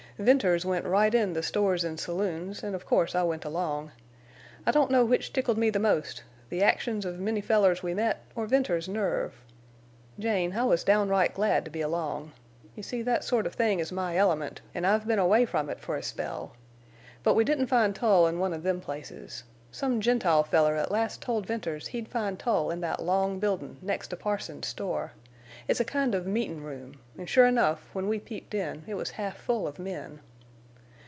Venters went right in the stores an' saloons, an' of course I went along. I don't know which tickled me the most—the actions of many fellers we met, or Venters's nerve. Jane, I was downright glad to be along. You see that sort of thing is my element, an' I've been away from it for a spell. But we didn't find Tull in one of them places. Some Gentile feller at last told Venters he'd find Tull in that long buildin' next to Parsons's store. It's a kind of meetin' room; and sure enough, when we peeped in, it was half full of men.